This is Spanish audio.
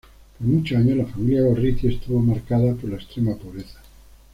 Por muchos años la familia Gorriti estuvo marcada por la extrema pobreza.